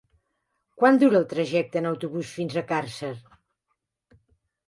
Quant dura el trajecte en autobús fins a Càrcer?